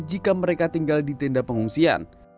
jika mereka tinggal di tenda pengungsian